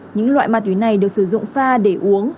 những loại ma túy này được sử dụng pha để uống